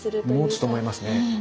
もつと思いますね。